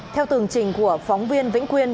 theo tường trình của phóng viên vĩnh quyên